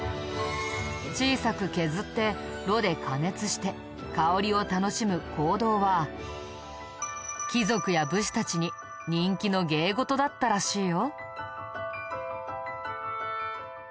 小さく削って炉で加熱して香りを楽しむ香道は貴族や武士たちに人気の芸事だったらしいよ。